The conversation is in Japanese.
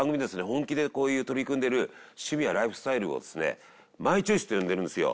本気で取り組んでる趣味やライフスタイルをですね「マイチョイス」と呼んでるんですよ。